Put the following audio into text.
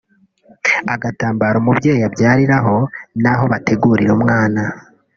agatambaro umubyeyi abyariraho n’aho bategurira umwana